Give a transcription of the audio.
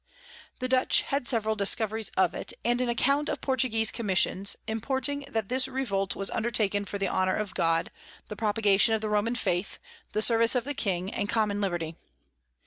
The Dutch had several Discoveries of it, and an account of Portuguese Commissions, importing that this Revolt was undertaken for the Honour of God, the Propagation of the Roman Faith, the Service of the King, and common Liberty.